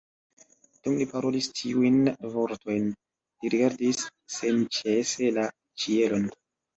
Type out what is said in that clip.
Dum li parolis tiujn vortojn, li rigardis senĉese la ĉielon.